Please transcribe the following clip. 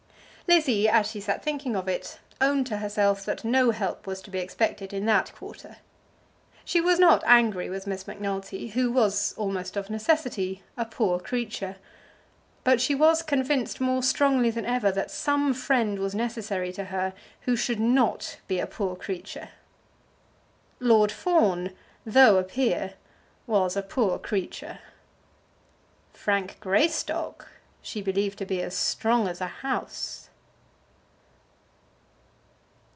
Lizzie, as she sat thinking of it, owned to herself that no help was to be expected in that quarter. She was not angry with Miss Macnulty, who was, almost of necessity, a poor creature. But she was convinced more strongly than ever that some friend was necessary to her who should not be a poor creature. Lord Fawn, though a peer, was a poor creature. Frank Greystock she believed to be as strong as a house.